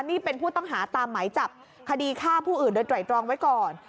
นี่เป็นผู้ต้องหาตามหมายจับคดีฆ่าผู้อื่นโดยไตรตรองไว้ก่อน